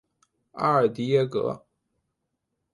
阿尔迪耶格。